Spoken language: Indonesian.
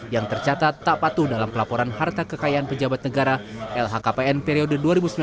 yang tercatat tak patuh dalam pelaporan harta kekayaan pejabat negara lhkpn periode dua ribu sembilan belas dua ribu dua puluh